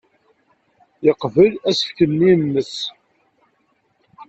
Yeqbel asefk-nni-nnes.